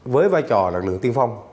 với vai trò là lực lượng tiên phong